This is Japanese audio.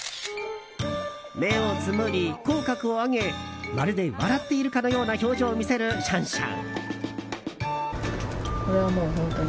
目をつむり、口角を上げまるで笑っているかのような表情を見せるシャンシャン。